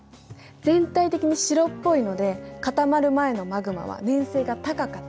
全体的に白っぽいので固まる前のマグマは粘性が高かったのね。